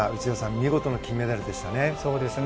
見事な金メダルでしたね。